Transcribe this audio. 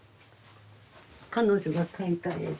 彼女が描いた絵で。